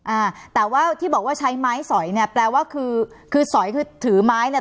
อ่าแต่ว่าที่บอกว่าใช้ไม้สอยเนี่ยแปลว่าคือคือสอยคือถือไม้เนี่ย